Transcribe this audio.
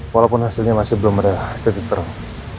walaupun hasilnya masih belum ada titik terang